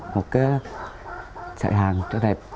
một sợi hàng rất đẹp